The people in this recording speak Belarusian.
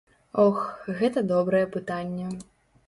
Ох, гэта добрае пытанне.